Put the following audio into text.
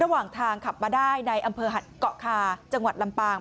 ระหว่างทางขับมาได้ในอำเภอหัดเกาะคาจังหวัดลำปาง